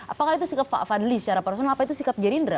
apakah itu sikap pak fadli secara personal apa itu sikap gerindra